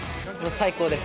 最高です。